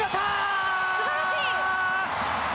すばらしい。